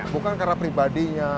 bukan karena pribadinya